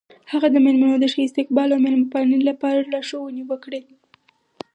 هغه د میلمنو د ښه استقبال او میلمه پالنې لپاره لارښوونې وکړې.